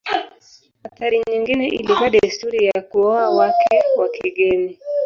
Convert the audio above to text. Athari nyingine ilikuwa desturi ya kuoa wake wa kigeni.